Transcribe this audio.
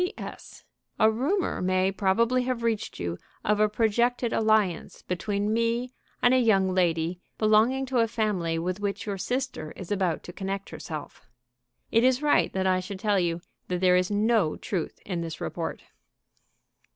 "P.S. A rumor may probably have reached you of a projected alliance between me and a young lady belonging to a family with which your sister is about to connect herself. It is right that I should tell you that there is no truth in this report."